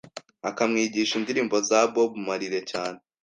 akamwigisha indirimbo za Bob Marley cyane